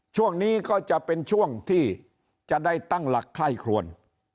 ช่วงนี้ก็จะเป็นช่วงที่จะได้ตั้งหลักไข้ครวน